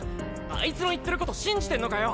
あいつの言ってる事信じてんのかよ！？